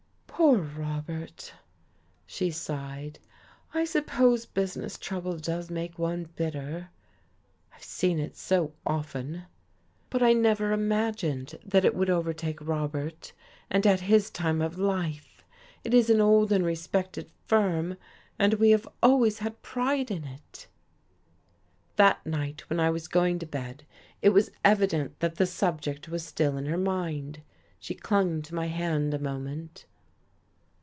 "Poor Robert!" she sighed. "I suppose business trouble does make one bitter, I've seen it so often. But I never imagined that it would overtake Robert, and at his time of life! It is an old and respected firm, and we have always had a pride in it."... That night, when I was going to bed, it was evident that the subject was still in her mind. She clung to my hand a moment.